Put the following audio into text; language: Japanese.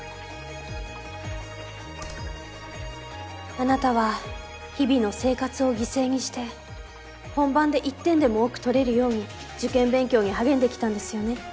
あなたは日々の生活を犠牲にして本番で１点でも多くとれるように受験勉強に励んできたんですよね？